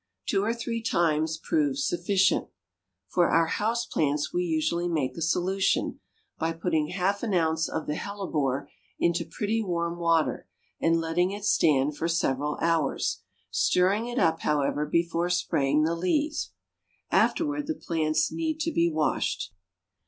Two or three times proves sufficient. For our house plants we usually make a solution, by putting half an ounce of the hellebore into pretty warm water, and letting it stand for several hours, stirring it up however, before spraying the leaves. Afterward, the plants need to be washed.